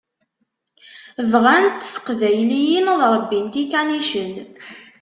Bɣant teqbayliyin ad ṛebbint ikanicen.